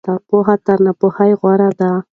پوهه تر ناپوهۍ غوره ده.